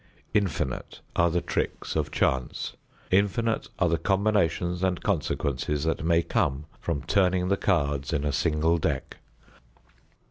Infinite are the tricks of chance. Infinite are the combinations and consequences that may come from turning the cards in a single deck.